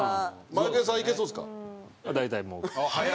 マエケンさんいけそうですか？